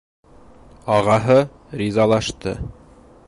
Ағаһы ризалашты.